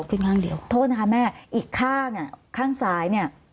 ขอโทษนะคะแม่อีกข้างข้างซ้าย